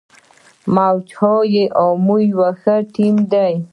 موج های امو یو ښه ټیم دی.